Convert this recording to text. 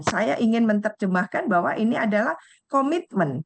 saya ingin menerjemahkan bahwa ini adalah komitmen